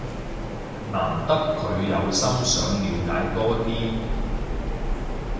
難得佢有心想了解多啲